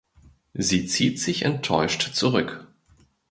Sie zieht sich enttäuscht zurück.